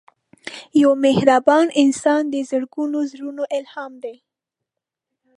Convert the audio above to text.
یو مهربان انسان د زرګونو زړونو الهام دی